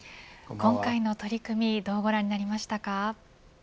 今回の取り組みどうご覧になりましたか。